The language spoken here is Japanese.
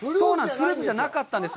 フルーツじゃなかったんです。